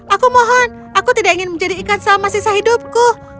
aku mohon aku tidak ingin menjadi ikan selama sisa hidupku